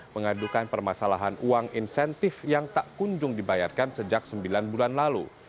mengadukan permasalahan uang insentif yang tak kunjung dibayarkan sejak sembilan bulan lalu